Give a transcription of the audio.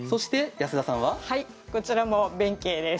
こちらも弁慶です。